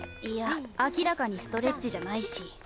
いや明らかにストレッチじゃないし。